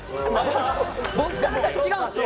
僕からしたら違うんですよ。